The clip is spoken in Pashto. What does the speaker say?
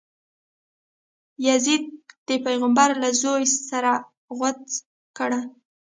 یزید د پیغمبر له زویه سر غوڅ کړی.